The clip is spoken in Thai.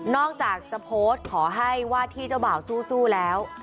อกจากจะโพสต์ขอให้ว่าที่เจ้าบ่าวสู้แล้ว